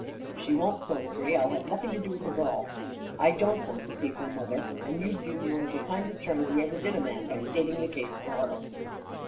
If she won't so agree, I'll have nothing to do with the girl. I don't want to see her mother, and you'd do me one of the kindest turns you ever did a man by stating the case to her."